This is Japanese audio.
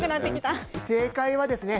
正解はですね